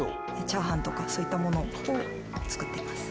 チャーハンとかそういったものを作っています